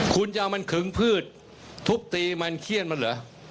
คุณเจ้ามันขึงพืชทุบตีมันเครียดมันเหรอ